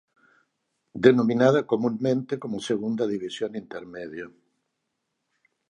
Denominada comúnmente como Segunda División Intermedia.